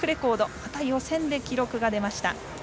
また予選で記録が出ました。